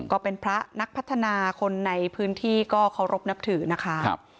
ก็เป็นพระนักพัฒนาคนในพื้นที่ก็เคารพนับถือนะคะ